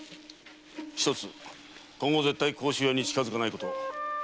一つ今後絶対甲州屋に近づかないこと。